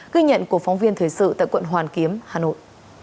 ghi nhận của phóng viên thời sự tại quận hoàn kiếm hà nội